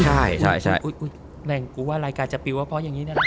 แม่งกูว่ารายการจะปิวเพราะอย่างนี้น่ะ